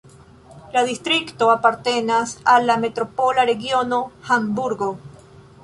La distrikto apartenas al la metropola regiono Hamburgo.